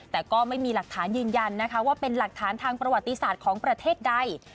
แต่ก็ไม่มีหลักฐานยืนยันนะคะว่าเป็นหลักฐานทางประวัติศาสตร์ของประเทศใด